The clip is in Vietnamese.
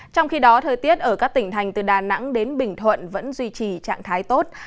trong khi đó thời tiết ở các tỉnh thành từ đà nẵng đến bình thuận vẫn duy trì trạng thái tốt